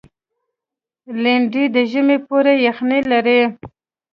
لېندۍ د ژمي پوره یخني لري.